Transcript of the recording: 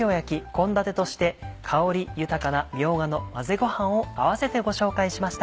献立として香り豊かな「みょうがの混ぜごはん」を併せてご紹介しました。